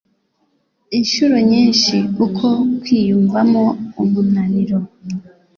Inshuro nyinshi, uku kwiyumvamo umunaniro